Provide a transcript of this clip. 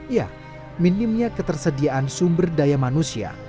ya minimnya ketersediaan sumber daya manusia